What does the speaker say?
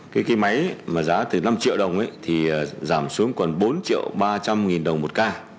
cái máy mà giá từ năm triệu đồng thì giảm xuống còn bốn triệu ba trăm linh nghìn đồng một ca